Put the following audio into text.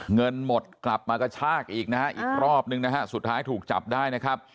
เงินหมดกลับมากระชากอีกนะสุดท้ายถูกจับได้นะครับ